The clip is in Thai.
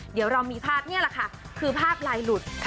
เดี๋ยวเรามีภาพนี่แหละค่ะคือภาพลายหลุด